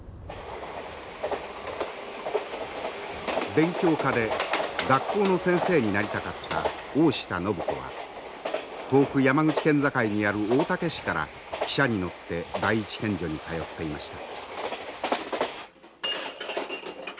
勉強家で学校の先生になりたかった大下靖子は遠く山口県境にある大竹市から汽車に乗って第一県女に通っていました。